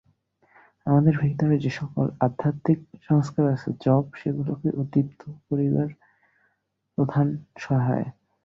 আমাদের ভিতর যে-সকল আধ্যাত্মিক সংস্কার আছে, জপ সেগুলিকে উদ্দীপিত করিবার প্রধান সহায়।